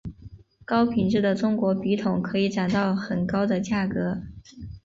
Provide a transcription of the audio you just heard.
高品质的中国笔筒可以涨到很高的价格。